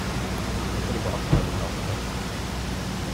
Hast du schon über Abtreibung nachgedacht?